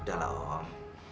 udah lah om